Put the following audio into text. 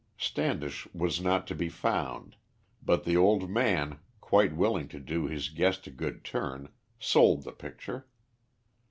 Standish was not to be found, but the old man, quite willing to do his guest a good turn, sold the picture.